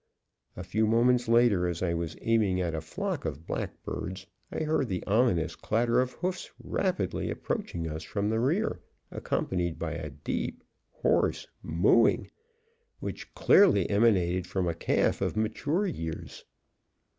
A few moments later, as I was aiming at a flock of black birds, I heard the ominous clatter of hoofs rapidly approaching us from the rear, accompanied by a deep, hoarse mooing, which clearly emanated from a calf of mature years.